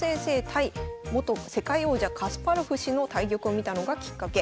対元世界王者カスパロフ氏の対局を見たのがきっかけ。